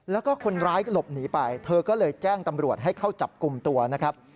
แล้วก็คนร้ายก็หลบหนีไปเธอก็เลยแจ้งตำรวจให้เข้าจับกลุ่มตัวนะครับ